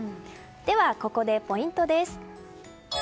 では、ここでポイントです。